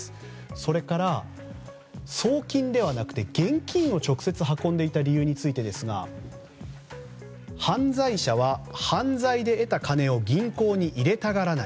それから、送金ではなくて現金を直接運んでいた理由は犯罪者は犯罪で得た金を銀行に入れたがらない。